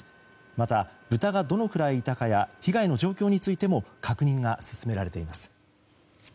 また、豚がどのくらいいたかや被害の状況についても確認が進められています。